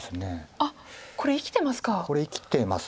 あっこれ生きてますか。